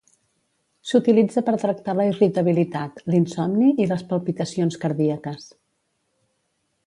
S'utilitza per tractar la irritabilitat, l'insomni i les palpitacions cardíaques.